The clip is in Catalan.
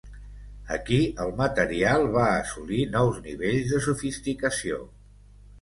Aquí el material va assolir nous nivells de sofisticació.